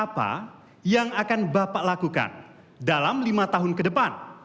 saya akan bacakan ya